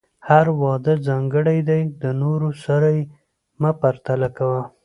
هر واده ځانګړی دی، د نورو سره یې مه پرتله کوه.